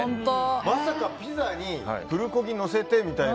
まさかピザにプルコギのせてみたいな。